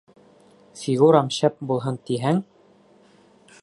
Фигурам шәп булһын тиһәң